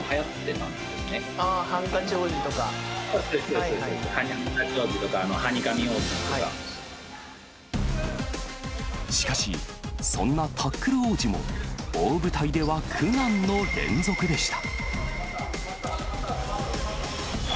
そうです、ハンカチ王子とか、しかし、そんなタックル王子も、大舞台では苦難の連続でした。